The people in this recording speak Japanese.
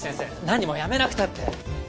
なにも辞めなくたって。